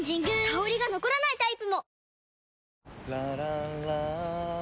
香りが残らないタイプも！